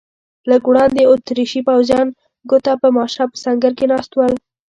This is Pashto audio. لږ وړاندې اتریشي پوځیان ګوته په ماشه په سنګر کې ناست ول.